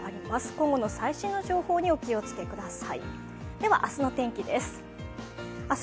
今後の最新の情報にお気をつけください。